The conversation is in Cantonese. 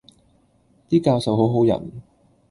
啲教授好好人